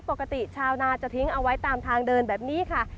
ปกติชาวนาจะทิ้งเอาไว้ตามทางเดินแบบนี้ค่ะ